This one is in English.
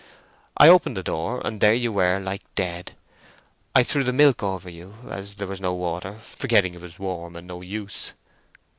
I opened the door, and there you were like dead. I threw the milk over you, as there was no water, forgetting it was warm, and no use."